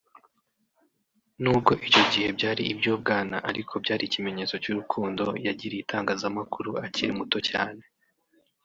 n’ubwo icyo gihe byari iby’ubwana ariko byari ikimenyetso cy’urukundo yagiriye itangazamakuru akiri muto cyane